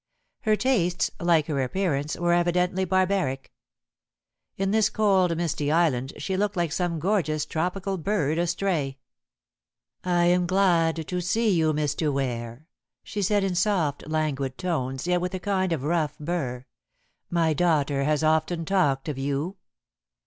Her tastes, like her appearance, were evidently barbaric. In this cold, misty island she looked like some gorgeous tropical bird astray. "I am glad to see you, Mr. Ware," she said in soft, languid tones, yet with a kind of rough burr; "my daughter has often talked of you."